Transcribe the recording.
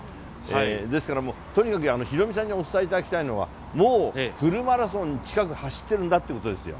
ですから、もうとにかくヒロミさんにお伝えいただきたいのは、もうフルマラソン近く走ってるんだってことですよ。